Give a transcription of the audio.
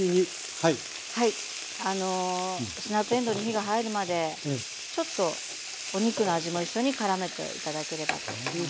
あのスナップえんどうに火が入るまでちょっとお肉の味も一緒にからめて頂ければと思います。